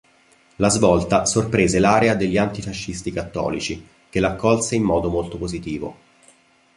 La svolta sorprese l'area degli antifascisti cattolici, che la accolse in modo molto positivo.